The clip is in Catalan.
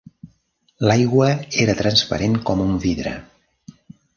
L'aigua era transparent com un vidre.